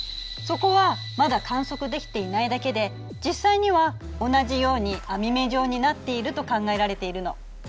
そこはまだ観測できていないだけで実際には同じように網目状になっていると考えられているの。